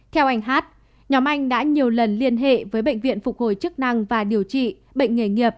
theo anh hát nhóm anh đã nhiều lần liên hệ với bệnh viện phục hồi chức năng và điều trị bệnh nghề nghiệp